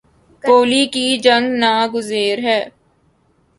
بولی کی جنگ ناگزیر ہے